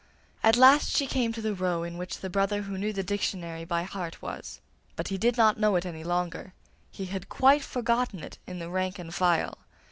At last she came to the row in which the brother who knew the dictionary by heart was, but he did not know it any longer; he had quite forgotten it in the rank and file.